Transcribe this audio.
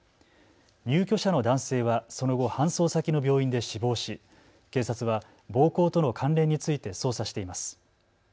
入居者の男性はその後、搬送先の病院で死亡し警察は暴行との関連について捜査しています。